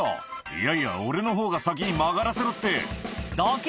「いやいや俺の方が先に曲がらせろって」